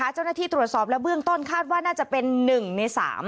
เจ้าหน้าที่ตรวจสอบและเบื้องต้นคาดว่าน่าจะเป็น๑ใน๓